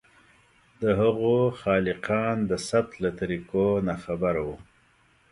د هغو خالقان د ثبت له طریقو ناخبره وو.